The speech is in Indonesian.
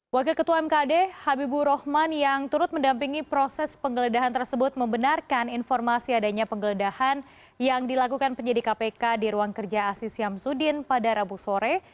wakil ketua mkd habibu rohman yang turut mendampingi proses penggeledahan tersebut membenarkan informasi adanya penggeledahan yang dilakukan penyidik kpk di ruang kerja aziz syamsuddin pada rabu sore